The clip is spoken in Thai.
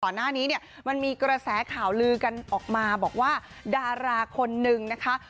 หน้านี้เนี่ยมันมีกระแสข่าวลือกันออกมาบอกว่าดาราคนนึงนะคะ